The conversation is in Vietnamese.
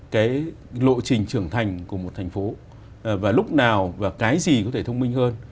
cái lộ trình trưởng thành của một thành phố và lúc nào và cái gì có thể thông minh hơn